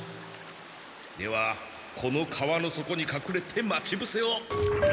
ではこの川の底にかくれて待ちぶせを。